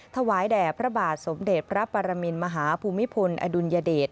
ถวายแด่พระบาทสมเด็จพระปรมินมหาภูมิพลอดุลยเดช